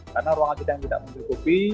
karena ruangan tidak mendukungi